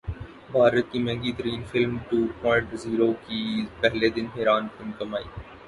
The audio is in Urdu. بھارت کی مہنگی ترین فلم ٹو پوائنٹ زیرو کی پہلے دن حیران کن کمائی